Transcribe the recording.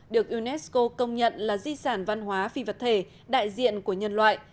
được unesco công nhận là di sản văn hóa phi vật thể đại diện của nhân loại